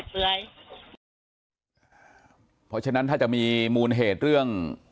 เพราะฉะนั้นถ้าจะมีมูลเหตุเรื่อง